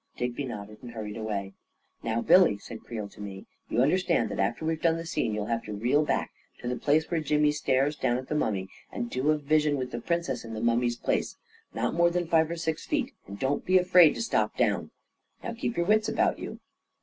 Digby nodded and hurried away. " Now, Billy," said Creel to me, u you understand that after we've done the scene, you'U have to reel A KING IN BABYLON 179 back to the place where Jimmy stares down at the mummy, and do a vision with the Princess in the mummy's place — not more than five or six feet — and don't be afraid to stop down. Now keep your wits about you